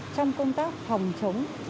trong công tác phòng chống